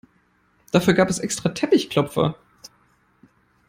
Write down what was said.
Dafür gab es extra Teppichklopfer.